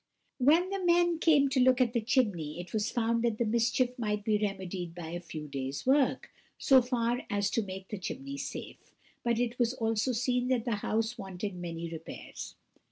When the men came to look at the chimney, it was found that the mischief might be remedied by a few days' work, so far as to make the chimney safe; but it was also seen that the house wanted many repairs.